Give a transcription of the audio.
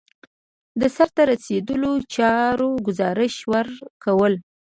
د سرته رسیدلو چارو ګزارش ورکول.